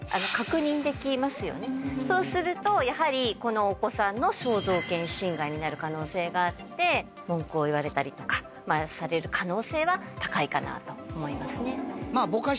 そうするとやはりこのお子さんの。になる可能性があって文句を言われたりとかされる可能性は高いかなと思いますね。